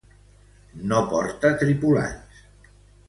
No porta tripulants.